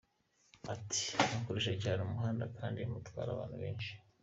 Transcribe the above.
Ati “Mukoresha cyane umuhanda kandi mutwara abantu benshi.